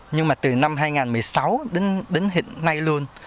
nhưng mà từ năm hai nghìn một mươi sáu đến hiện nay luôn